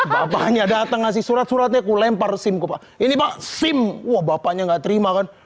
bapaknya datang ngasih surat suratnya ku lempar simpah ini pak sim wabahnya nggak terima kan